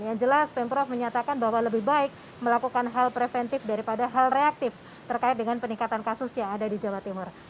yang jelas pemprov menyatakan bahwa lebih baik melakukan hal preventif daripada hal reaktif terkait dengan peningkatan kasus yang ada di jawa timur